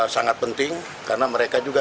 sangat penting karena mereka juga